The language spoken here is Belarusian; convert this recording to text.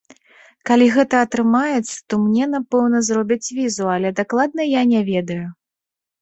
Калі гэта атрымаецца, то мне, напэўна, зробяць візу, але дакладна я не ведаю.